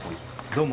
どうも。